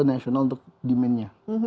juga nasional untuk demandnya